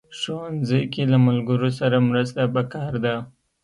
ښوونځی کې له ملګرو سره مرسته پکار ده